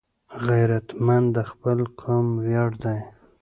غیرتمند د خپل قوم ویاړ دی